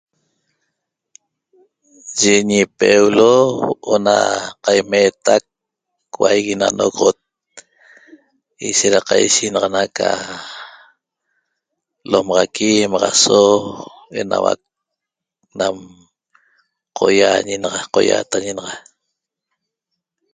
yi ni peulo ona caimetec cau ena noxot ishet da caishenaxana lomaxaqui ,maxaso enahu'aq nam coiañe naxa coyatague naxa